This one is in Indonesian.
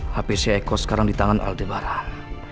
hp si eko sekarang di tangan aldebaran